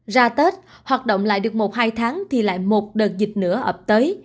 ra tết hoạt động lại được một hai tháng thì lại một đợt dịch nữa ập tới